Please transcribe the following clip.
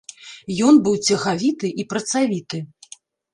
Ён быў цягавіты і працавіты.